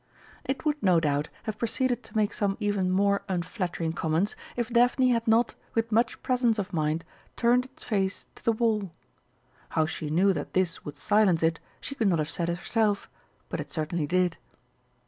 It would, no doubt, have proceeded to make some even more unflattering comments if Daphne had not, with much presence of mind, turned its face to the wall. How she knew that this would silence it she could not have said herself. But it certainly did.